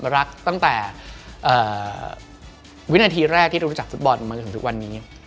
รักตั้งแต่วินาทีแรกที่เรารู้จักฟุตบอลมาจนถึงทุกวันนี้